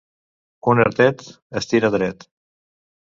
Un artet es tira dret.